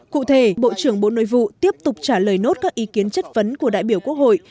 cụ thể bộ trưởng bộ nội vụ tiếp tục trả lời nốt các ý kiến chất vấn của đại biểu quốc hội